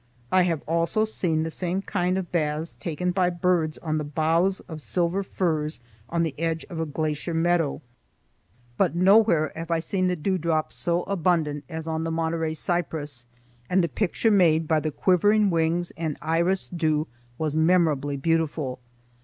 I have also seen the same kind of baths taken by birds on the boughs of silver firs on the edge of a glacier meadow, but nowhere have I seen the dewdrops so abundant as on the Monterey cypress; and the picture made by the quivering wings and irised dew was memorably beautiful.